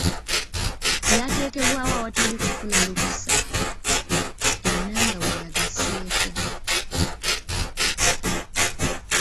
'Byateekebwawo awatali kufuna lukusa.” Ennanga bwe yagasseeko.